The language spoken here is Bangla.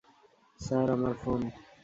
স্যার, আমার ফোন?